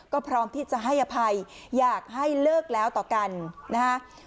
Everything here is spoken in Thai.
ก็พร้อมที่จะให้อภัยอยากให้เลิกแล้วต่อกันนะฮะ